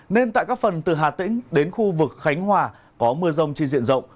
nên tại các phần từ hà tĩnh đến khu vực khánh hòa có mưa rông trên diện rộng